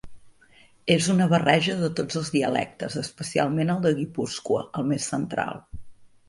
És una barreja de tots els dialectes, especialment el de Guipúscoa, el més central.